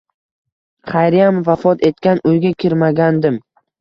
Xayriyam vafot etgan uyga kirmagandim.